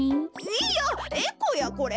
いやエコやこれ。